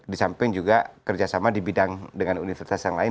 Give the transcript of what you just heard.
di samping juga kerjasama di bidang dengan universitas yang lain